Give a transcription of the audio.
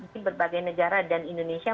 di berbagai negara dan indonesia